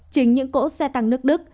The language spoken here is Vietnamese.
chính những cỗ xe tăng nước đức